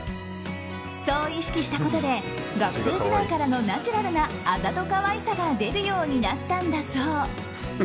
そう意識したことで学生時代からのナチュラルなあざとカワイさが出るようになったんだそう。